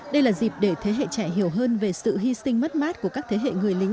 đây là dịp để thế hệ trẻ hiểu hơn về sự hy sinh mất mát của các thế hệ người lính